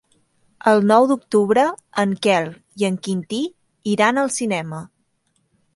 El nou d'octubre en Quel i en Quintí iran al cinema.